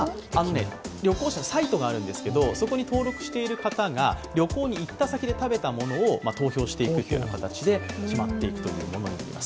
旅行社のサイトがあるんですけど、そこに登録した方が旅行に行った先で食べたものを投票していくという形で決まっていくものになります。